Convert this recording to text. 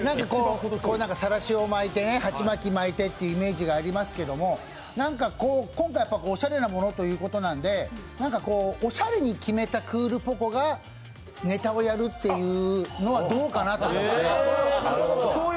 さらしを巻いて、鉢巻き巻いてっていうイメージがありますけども何か今回おしゃれなのもということなので、おしゃれに決めたクールポコがネタをやるというのはどうかなと思って。